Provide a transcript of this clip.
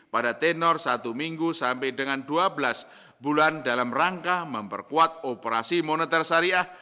pada tenor satu minggu sampai dengan dua belas bulan dalam rangka memperkuat operasi moneter syariah